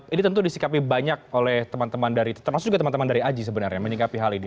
ini tentu disikapi banyak oleh teman teman dari termasuk juga teman teman dari aji sebenarnya menyikapi hal ini